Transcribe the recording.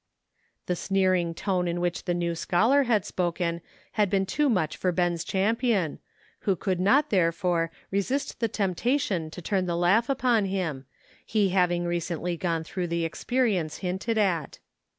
The sneering tone in which the new scholar DISAPPOINTMENT. 10 had spoken had been too much for Ben's cham pion, who could not therefore resist the temp tation to turn the laugh upon him, he having recently gone through the experience hinted at.